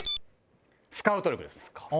スカウト力です。